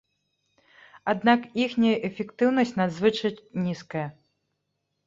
Аднак іхняя эфектыўнасць надзвычай нізкая.